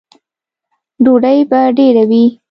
_ډوډۍ به ډېره وي؟